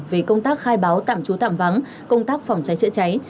về công tác khai báo tạm trú tạm vắng công tác phòng cháy chữa cháy